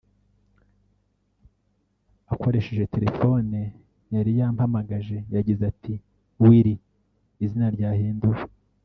Akoresheje telefone yari yampamagaje yagize ati ’Willy’ (izina ryahinduwe)